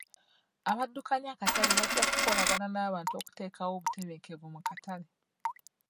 Abaddukanya akatale bajja kukolagana n'abantu okuteekawo obutebenkevu mu katale.